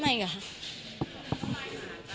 ไม่เหรอ